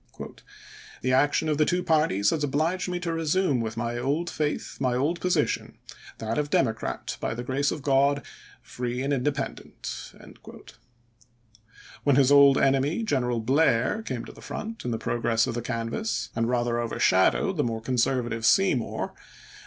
"The action of the two parties has obliged me to resume with my old faith my old position, .. that of Demo ns., p. 592. crat, by the grace of God, free and independent." When his old enemy, General Blair, came to the front, in the progress of the canvass, and rather CHASE AS CHIEF JUSTICE 401 overshadowed the more conservative Seymour, the ch.